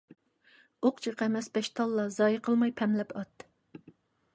ئوق جىق ئەمەس، بەش تاللا . زايە قىلماي پەملەپ ئات .